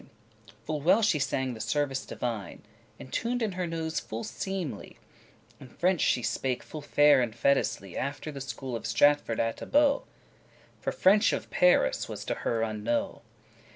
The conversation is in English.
*called Full well she sang the service divine, Entuned in her nose full seemly; And French she spake full fair and fetisly* *properly After the school of Stratford atte Bow, For French of Paris was to her unknow.